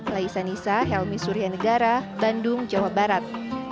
laisa nisa helmi suryanegara bandung jawa barat